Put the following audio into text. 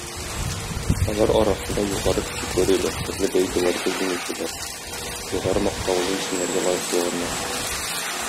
Алар арасында югары категорияле, төрле бәйгеләрдә җиңүчеләр, югары мактаулы исемнәргә лаек булганнар.